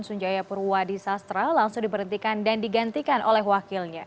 sunjaya purwadi sastra langsung diberhentikan dan digantikan oleh wakilnya